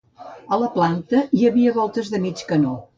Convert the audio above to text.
A la planta hi ha voltes de mig canó.